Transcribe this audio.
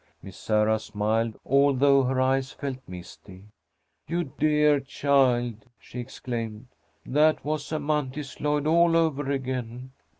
Miss Sarah smiled, although her eyes felt misty. "You dear child!" she exclaimed. "That was Amanthis Lloyd all over again.